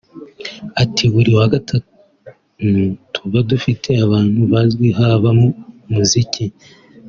Ati” Buri wagatanu tuba dufite abantu bazwi haba mu mu muziki